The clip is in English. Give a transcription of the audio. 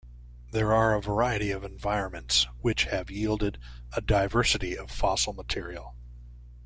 There are a variety of environments, which have yielded a diversity of fossil material.